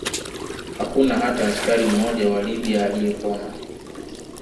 Hakuna hata askari mmoja wa Libya aliyepona